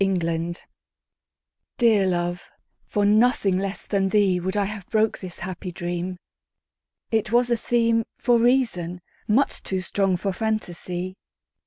The Dream DEAR love, for nothing less than theeWould I have broke this happy dream; It was a themeFor reason, much too strong for fantasy.